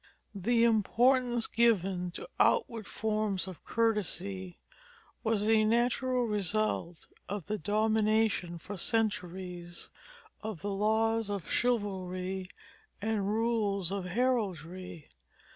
The importance given to outward forms of courtesy was a natural result of the domination for centuries of the laws of chivalry and rules of heraldry.